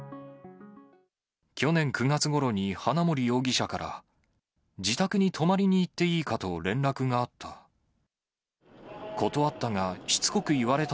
去年９月ごろに、花森容疑者から、自宅に泊まりに行っていいかと連絡があった。